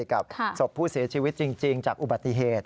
กับศพผู้เสียชีวิตจริงจากอุบัติเหตุ